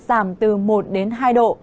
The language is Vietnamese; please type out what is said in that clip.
giảm từ một đến hai độ